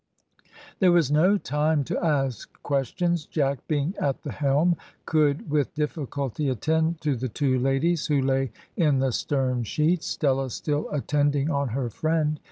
There was no time to ask questions. Jack, being at the helm, could with difficulty attend to the two ladies, who lay in the stern sheets, Stella still attending on her friend.